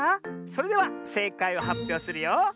それではせいかいをはっぴょうするよ。